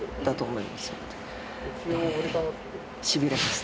えしびれます。